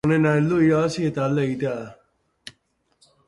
Onena heldu, irabazi eta alde egitea da.